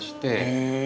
へえ。